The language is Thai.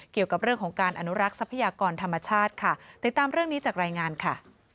เกี่ยวกับเรื่องของการอนุรักษ์ทรัพยากรธรรมชาติค่ะติดตามเรื่องนี้จากรายงานค่ะ